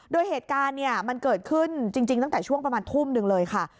โดยเหตุการณ์เนี่ยมันเกิดขึ้นจริงตั้งแต่ช่วงประมาณทุ่มหนึ่งเลยค่ะ